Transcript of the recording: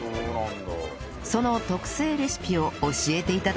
その特製レシピを教えて頂きました